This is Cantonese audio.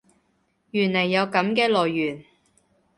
原來有噉嘅來源